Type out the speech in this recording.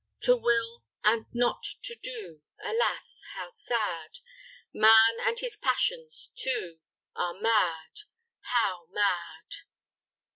To will and not to do, Alas! how sad! Man and his passions too Are mad how mad!